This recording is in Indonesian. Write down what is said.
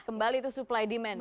oke kembali itu supply demand ya